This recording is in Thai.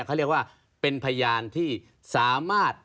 เขาเรียกว่าเป็นพยานที่สามารถ